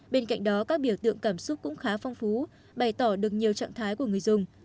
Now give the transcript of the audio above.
bên cạnh đó các biểu tượng cảm xúc cũng khá phong phú bày tỏ được nhiều trạng thái của người dùng